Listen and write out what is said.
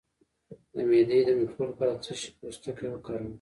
د معدې د مکروب لپاره د څه شي پوستکی وکاروم؟